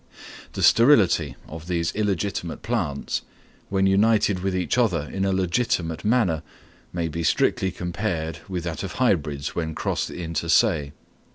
The sterility of these illegitimate plants, when united with each other in a legitimate manner, may be strictly compared with that of hybrids when crossed inter se.